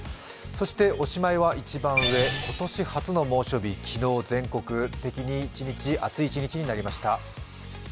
そしておしまいは一番上、今年初の猛暑日、昨日、全国的に暑い一日になりました。